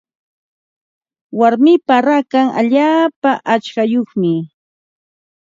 Warmipa rakan allaapa aqchayuqmi.